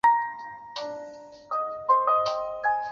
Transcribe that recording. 正月十五日彩棺奉移暂安。